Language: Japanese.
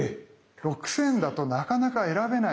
６，０００だとなかなか選べない。